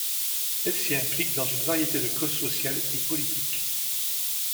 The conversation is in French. Elle s'y implique dans une variété de causes sociales et politiques.